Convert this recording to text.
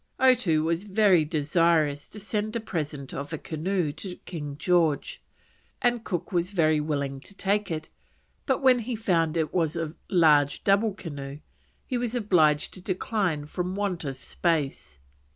Otoo was very desirous to send a present of a canoe to King George, and Cook was very willing to take it, but when he found it was a large double canoe he was obliged to decline from want of space.